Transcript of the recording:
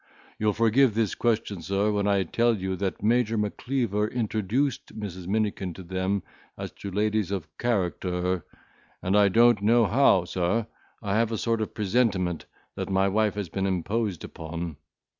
You'll forgive the question, sir, when I tell you that Major Macleaver introduced Mrs. Minikin to them as to ladies of character, and, I don't know how, sir, I have a sort of presentiment that my wife has been imposed upon.